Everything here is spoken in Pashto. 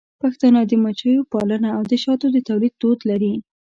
پښتانه د مچیو پالنه او د شاتو د تولید دود لري.